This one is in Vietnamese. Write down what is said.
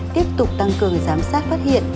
tiếp tục tăng cường giám sát phát hiện